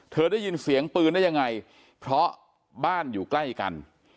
ได้ยินเสียงปืนได้ยังไงเพราะบ้านอยู่ใกล้กัน